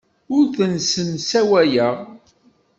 Ur ten-ssemsawayeɣ.